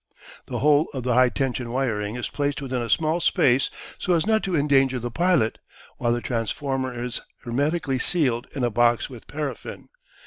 The whole of the high tension wiring is placed within a small space so as not to endanger the pilot, while the transformer is hermetically sealed in a box with paraffin.